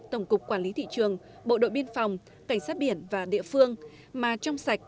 tổng cục quản lý thị trường bộ đội biên phòng cảnh sát biển và địa phương mà trong sạch